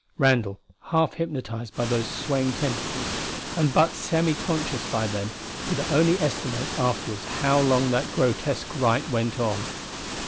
Randall, half hypnotized by those swaying tentacles and but semi conscious by then, could only estimate afterward how long that grotesque rite went on.